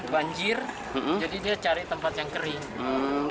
banjir jadi dia cari tempat yang kering